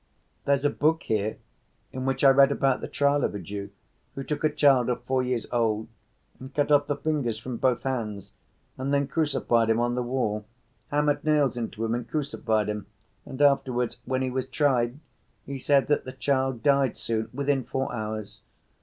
"There's a book here in which I read about the trial of a Jew, who took a child of four years old and cut off the fingers from both hands, and then crucified him on the wall, hammered nails into him and crucified him, and afterwards, when he was tried, he said that the child died soon, within four hours.